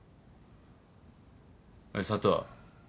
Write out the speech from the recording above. おい佐藤。